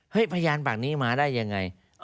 เฮ้ยพยานแบบนี้มาได้ยังไง